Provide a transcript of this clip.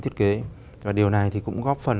thiết kế và điều này thì cũng góp phần